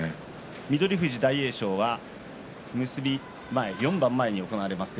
翠富士、大栄翔は結びの４番前に行われます。